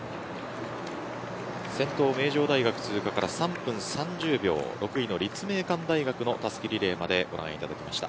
先頭名城大学通過から３分３０秒６位の立命館大学のたすきリレーまでご覧いただきました。